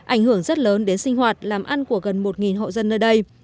ảnh hưởng rất lớn đến sinh hoạt làm ăn của gần một hộ dân nơi đây